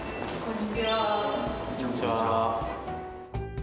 こんにちは。